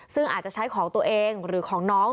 ซึ่งอาจจะใช้ของตัวเองหรือของน้อง